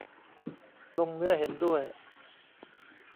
ลงเนื้อเห็นด้วย